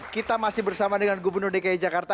kita masih bersama dengan gubernur dki jakarta